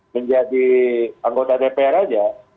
menjadi anggota dpr aja